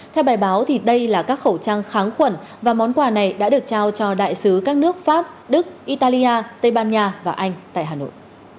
theo bài báo đây là các khẩu trang kháng khuẩn và món quà này đã được trao cho đại sứ các nước pháp đức italia tây ban nha và anh tại hà nội